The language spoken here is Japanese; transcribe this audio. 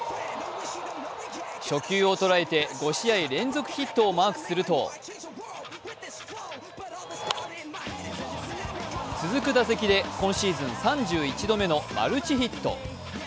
初球を捉えて５試合連続ヒットをマークすると続く打席で今シーズン３１度目のマルチヒット。